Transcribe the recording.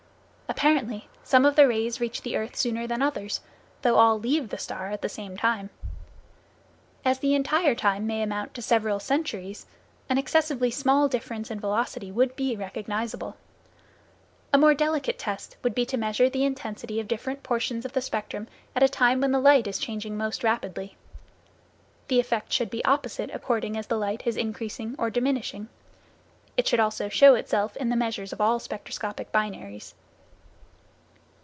Apparently, some of the rays reach the earth sooner than others, although all leave the star at the same time. As the entire time may amount to several centuries, an excessively small difference in velocity would be recognizable. A more delicate test would be to measure the intensity of different portions of the spectrum at a time when the light is changing most rapidly. The effect should be opposite according as the light is increasing or diminishing. It should also show itself in the measures of all spectroscopic binaries.